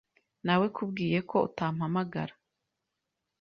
Nawekubwiye ko utampamagara, .